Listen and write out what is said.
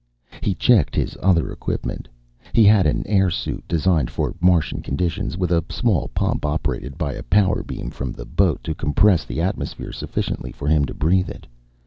He checked his other equipment. He had an airsuit designed for Martian conditions, with a small pump operated by a power beam from the boat to compress the atmosphere sufficiently for him to breathe it.